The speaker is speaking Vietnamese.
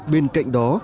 bên cạnh đó